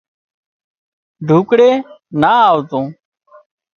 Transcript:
ڍوڪڙي نا آوتون